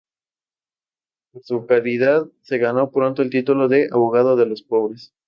Por su caridad, se ganó pronto el título de "abogado de los pobres".